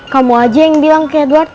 kamu aja yang bilang ke edward